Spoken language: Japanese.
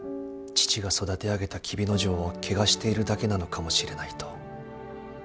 父が育て上げた黍之丞を汚しているだけなのかもしれないと。